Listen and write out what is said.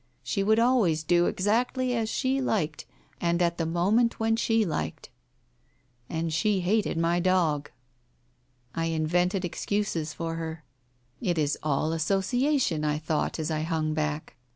She would always do exactly as she liked, and at the moment when she liked. ... And she hated my dog. I invented excuses for her. ... "It is all association," I thought, as I hung back.